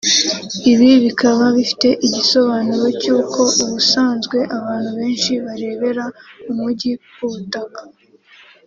ibi bikaba bifite igisobanuro cy’uko ubusanzwe abantu benshi barebera umujyi ku butaka